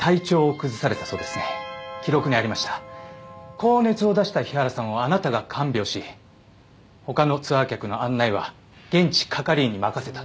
高熱を出した日原さんをあなたが看病し他のツアー客の案内は現地係員に任せたと。